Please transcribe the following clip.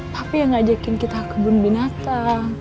papi yang ngajakin kita kebun binata